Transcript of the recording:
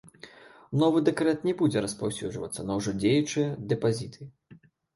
Новы дэкрэт не будзе распаўсюджвацца на ўжо дзеючыя дэпазіты.